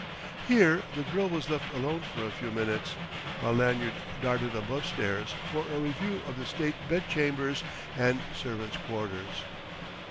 Here the girl was left alone for a few minutes, while Lanyard darted above stairs for a review of the state bedchambers and servants' quarters.